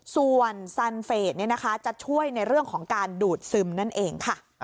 ส่วนสันเฟสจะช่วยในเรื่องของการดูดซึมนั่นเองค่ะ